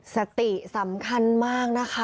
สติสำคัญมากนะคะ